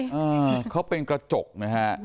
อ่าเขาเป็นกระจกนะฮะ